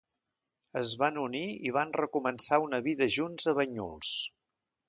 Es van unir i van recomençar una vida junts a Banyuls.